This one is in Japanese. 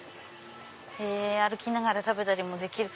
へぇ歩きながら食べたりもできる。